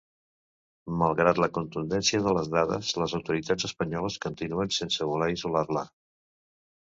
Malgrat la contundència de les dades, les autoritats espanyoles continuen sense voler isolar-la.